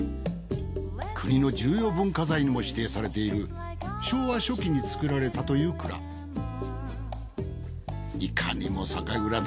国の重要文化財にも指定されている昭和初期に造られたという蔵。